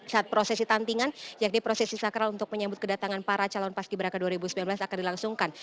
saat prosesi tantingan yakni prosesi sakral untuk menyambut kedatangan para calon paski beraka dua ribu sembilan belas akan dilangsungkan